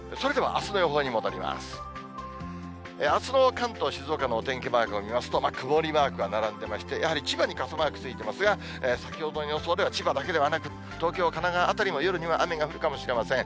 あすの関東、静岡のお天気マークを見ますと、曇りマークが並んでいまして、やはり千葉に傘マークついてますが、先ほどの予想では千葉だけではなく、東京、神奈川辺りも夜には雨が降るかもしれません。